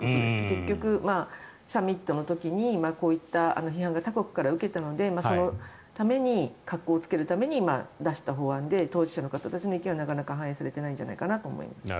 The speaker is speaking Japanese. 結局、サミットの時にこういった批判が他国から受けたのでそのために箔をつけるために出した法案で当事者の方たちの意見はなかなか反映されていないんじゃないかと思います。